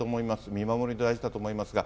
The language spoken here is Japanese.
見守りも大事だと思いますが。